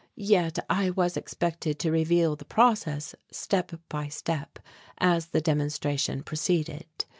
Yet I was expected to reveal the process step by step as the demonstration proceeded.